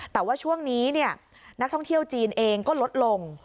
แต่ว่าช่วงนี้นักท่องเที่ยวจีนเองก็ลดลง